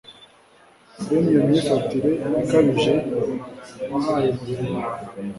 bene iyo myifatire ikabije wahaye umubiri wawe …